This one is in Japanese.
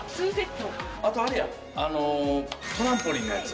あとあれやトランポリンのやつ。